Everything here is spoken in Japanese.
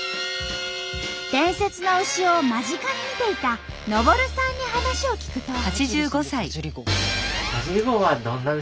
伝説の牛を間近に見ていた昇さんに話を聞くと。